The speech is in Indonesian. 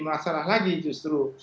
masalah lagi justru